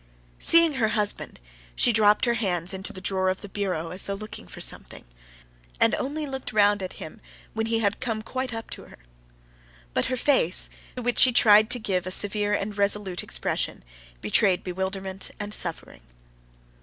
Seeing her husband, she dropped her hands into the drawer of the bureau as though looking for something, and only looked round at him when he had come quite up to her. But her face, to which she tried to give a severe and resolute expression, betrayed bewilderment and suffering.